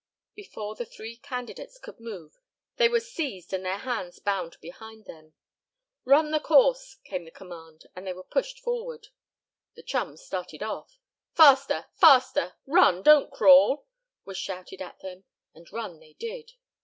Before the three candidates could move they were seized and their hands bound behind them. "Run the course!" came the command, and they were pushed forward. The chums started off. "Faster! Faster! Run, don't crawl!" was shouted at them, and run they did.